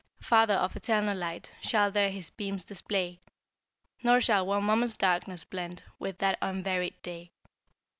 Father of eternal light Shall there his beams display, Nor shall one moment's darkness blend With that unvaried day.